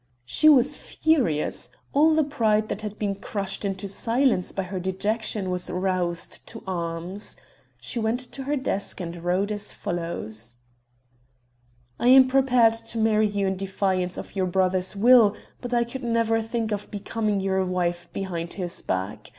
She was furious; all the pride that had been crushed into silence by her dejection was roused to arms. She went to her desk and wrote as follows: "I am prepared to marry you in defiance of your brother's will, but I could never think of becoming your wife behind his back.